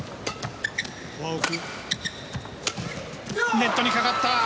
ネットにかかった！